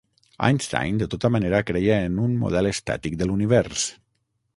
Einstein, de tota manera, creia en un model estàtic de l'univers.